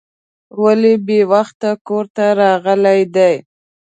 ولې بې وخته کور ته راغلی دی.